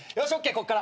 こっから。